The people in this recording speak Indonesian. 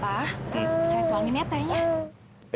pak saya tuangin ya pak ya